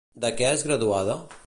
De què és graduada?